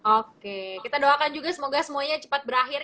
oke kita doakan juga semoga semuanya cepat berakhir